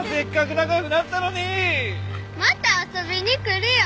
また遊びに来るよ。